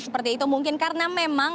seperti itu mungkin karena memang